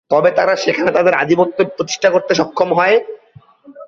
তবে তারা সেখানে তাদের আধিপত্য প্রতিষ্ঠা করতে সক্ষম হয়।